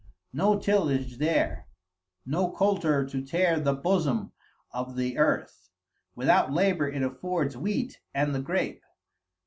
No tillage there, no coulter to tear the bosom of the earth. Without labor it affords wheat and the grape.